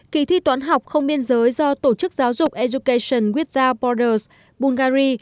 kỳ thi toán học không biên giới do tổ chức giáo dục education without borders bungary